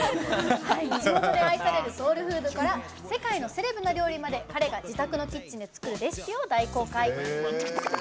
地元で愛されるソウルフードから世界のセレブな料理まで彼が自宅のキッチンで作るレシピを大公開。